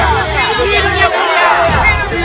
kemana yunda rasantang